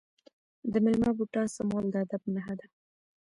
د میلمه بوټان سمول د ادب نښه ده.